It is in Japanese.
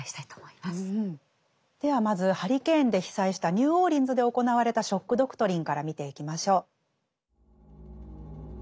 ではまずハリケーンで被災したニューオーリンズで行われた「ショック・ドクトリン」から見ていきましょう。